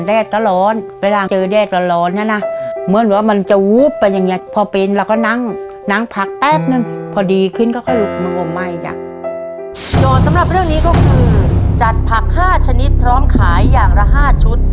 สำหรับเรื่องนี้ก็คือจัดผัก๕ชนิดพร้อมขายอย่างละ๕ชุด